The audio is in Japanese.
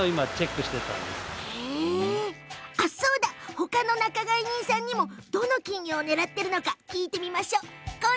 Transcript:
ほかの仲買人さんにもどの金魚を狙ってるのか聞いてみよっと。